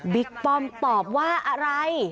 ป้อมตอบว่าอะไร